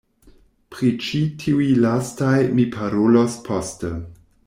Pri ĉi tiuj lastaj mi parolos poste.